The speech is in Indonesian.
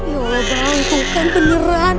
ya allah bang bukan penyerahan